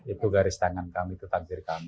itu garis tangan kami itu takdir kami